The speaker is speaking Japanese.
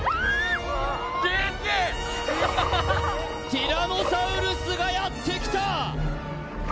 ティラノサウルスがやってきた！